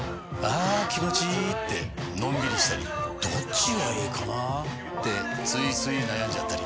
あ気持ちいいってのんびりしたりどっちがいいかなってついつい悩んじゃったり。